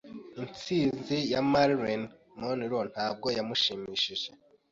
Intsinzi ya Marilyn Monroe ntabwo yamushimishije.